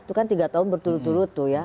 itu kan tiga tahun berturut turut tuh ya